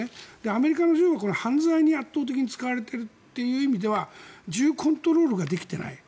アメリカの銃は犯罪に圧倒的に使われているという意味では銃コントロールができていない。